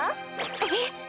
えっ？